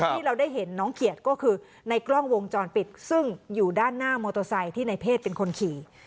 ที่เราได้เห็นน้องเขียดก็คือในกล้องวงจรปิดซึ่งอยู่ด้านหน้ามอเตอร์ไซค์ที่ในเพศเป็นคนขี่